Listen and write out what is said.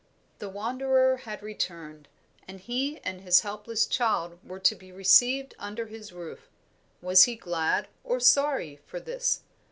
The wanderer had returned, and he and his helpless child were to be received under his roof. Was he glad or sorry for this?